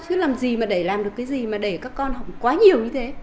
chứ làm gì mà để làm được cái gì mà để các con học quá nhiều như thế